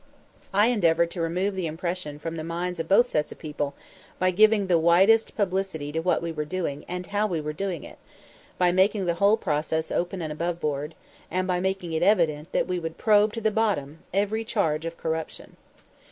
I endeavored to remove the impression from the minds of both sets of people by giving the widest publicity to what we were doing and how we were doing it, by making the whole process open and aboveboard, and by making it evident that we would probe to the bottom every charge of corruption.